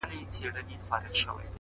زلفـي را تاوي کړي پــر خپلـو اوږو _